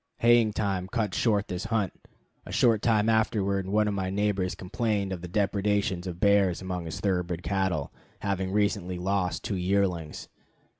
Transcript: Haying time cut short this hunt. A short time afterward one of my neighbors complained of the depredations of bears among his thoroughbred cattle, having recently lost two yearlings.